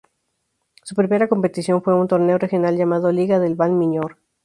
Su primera competición fue un torneo regional llamado "Liga del Val Miñor".